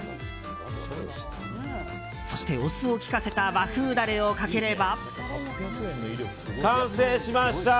そして、お酢を効かせた和風ダレをかければ。